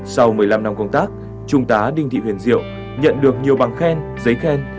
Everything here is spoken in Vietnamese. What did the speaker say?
sau một mươi năm năm công tác trung tá đinh thị huyền diệu nhận được nhiều bằng khen giấy khen